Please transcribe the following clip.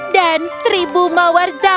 dan seribu mawar zamanku